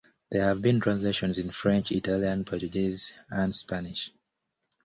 There have been translations in French, Italian, Portuguese and Spanish.